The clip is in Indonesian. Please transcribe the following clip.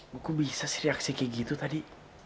gua bisa sih reaksi kayak gitu tadi